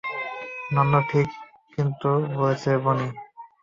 নান্দু কিন্তু ঠিকই বলেছে, বনি।